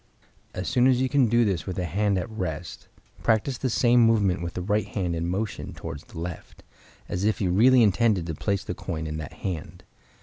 As soon as you can do this with the hand at rest, practice the same movement with the right hand in motion towards the left, as if you really intended to place the coin in that hand.